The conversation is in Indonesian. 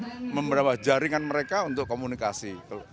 dan membawa jaringan mereka untuk komunikasi